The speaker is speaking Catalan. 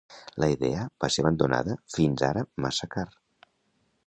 La idea va ser abandonada fins ara massa car.